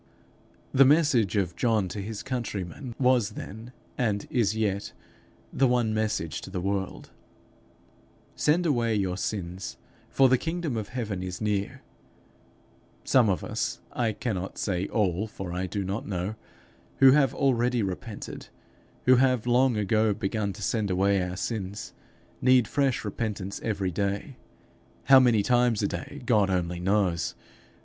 The message of John to his countrymen, was then, and is yet, the one message to the world: 'Send away your sins, for the kingdom of heaven is near.' Some of us I cannot say all, for I do not know who have already repented, who have long ago begun to send away our sins, need fresh repentance every day how many times a day, God only knows.